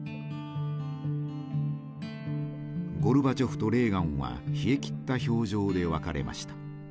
ゴルバチョフとレーガンは冷えきった表情で別れました。